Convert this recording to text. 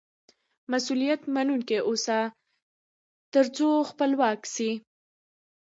مسئولیت منونکی واوسه، تر څو خپلواک سې.